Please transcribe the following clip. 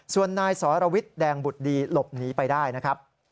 ส่วนนายสรวิทย์แดงบุตรดีหลบหนีไปได้นะครับ